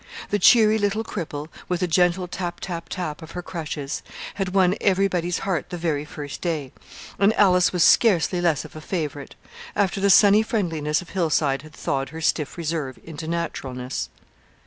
The cheery little cripple, with the gentle tap, tap, tap of her crutches, had won everybody's heart the very first day; and Alice was scarcely less of a favorite, after the sunny friendliness of Hillside had thawed her stiff reserve into naturalness.